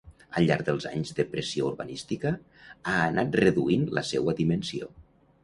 Al llarg dels anys de pressió urbanística ha anat reduint la seua dimensió.